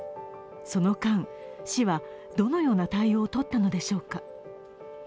その間、市はどのような対応を取ったのでしょうか。